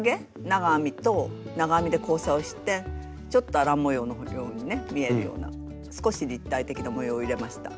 長編みと長編みで交差をしてちょっとアラン模様のようにね見えるような少し立体的な模様を入れました。